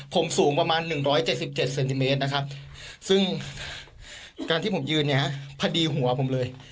ผมสูงประมาณหนึ่งร้อยเจ็ดสิบเจ็ดเซนติเมตรนะครับซึ่งการที่ผมยืนเนี้ยพอดีหัวผมเลย